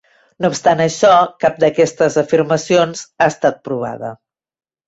No obstant això, cap d'aquestes afirmacions ha estat provada.